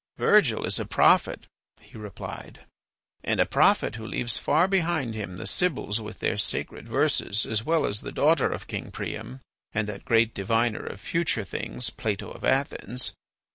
"Virgil is a prophet," he replied, "and a prophet who leaves far behind him the sibyls with their sacred verses as well as the daughter of King Priam, and that great diviner of future things, Plato of Athens.